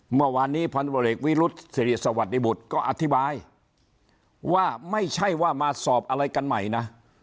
เมื่อวานนี้พันธบริกวิรุษศิริสวัสดิบุตรก็อธิบายว่าไม่ใช่ว่ามาสอบอะไรกันใหม่นะ